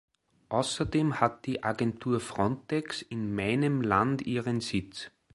Außerdem hat die Agentur Frontex in meinem Land ihren Sitz.